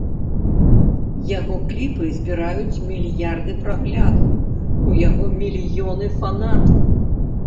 Яго кліпы збіраюць мільярды праглядаў, у яго мільёны фанатаў.